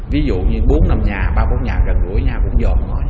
ví dụ như bốn năm nhà ba bốn nhà gần gũi nhà cũng dồn mỏi